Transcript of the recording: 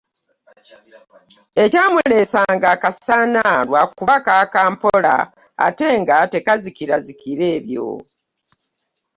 Ekyamuleesanga akasaana lwakubanga kaaka mpola ate nga tekazikirazikira ebyo.